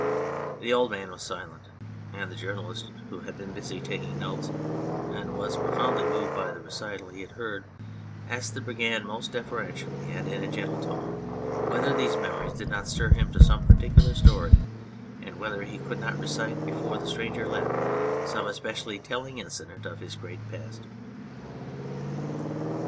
The old man was silent, and the journalist, who had been busy taking notes, and was profoundly moved by the recital he had heard, asked the Brigand most deferentially and in a gentle tone whether these memories did not stir him to some particular story, and whether he could not recite before the stranger left some especially telling incident of his great past.